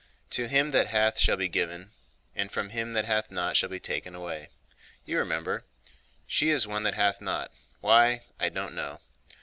"'To him that hath shall be given, and from him that hath not shall be taken away.' You remember? She is one that hath not; why, I don't know.